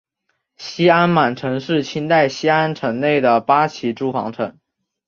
西安满城是清代西安城内的八旗驻防城。